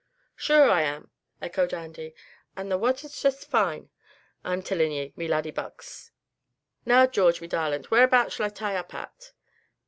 "Sure I am!" echoed Andy, "and the wather 'tis foine, I'm tilling ye, me laddybucks. Now, George, me darlint, whereabouts shall I tie up at?"